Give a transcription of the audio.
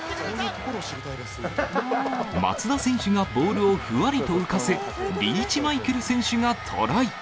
松田選手がボールをふわりと浮かせ、リーチマイケル選手がトライ。